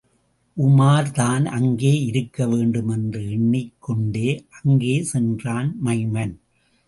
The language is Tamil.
உமார்தான் அங்கே இருக்க வேண்டும் என்று எண்ணிக் கொண்டே, அங்கே சென்றான் மைமன்.